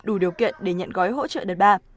đủ điều kiện để nhận gói hỗ trợ đợt ba